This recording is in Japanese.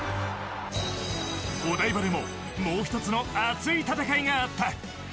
お台場でももう一つの熱い戦いがあった。